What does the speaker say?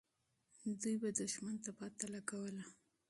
دوی به دښمن ته پته لګوله.